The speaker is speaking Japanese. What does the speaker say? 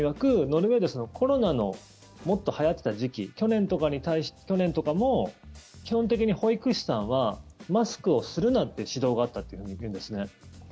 ノルウェーでコロナのもっとはやっていた時期去年とかも基本的に保育士さんはマスクをするなって指導があったっていうふうに言うんですね。